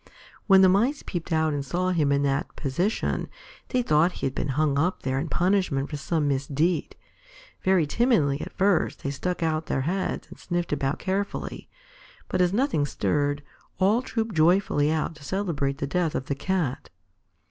When the Mice peeped out and saw him in that position, they thought he had been hung up there in punishment for some misdeed. Very timidly at first they stuck out their heads and sniffed about carefully. But as nothing stirred, all trooped joyfully out to celebrate the death of the Cat.